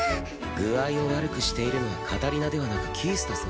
具合を悪くしているのはカタリナではなくキースだぞ。